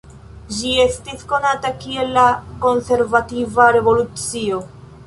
Ĝi estis konata kiel la Konservativa Revolucio.